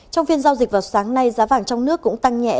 trong phiên giao dịch vào sáng nay giá vàng trong nước cũng tăng nhẹ